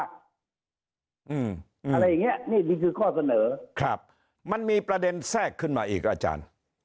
อะไรอย่างนี้นี่คือข้อเสนอครับมันมีประเด็นแทรกขึ้นมาอีกอาจารย์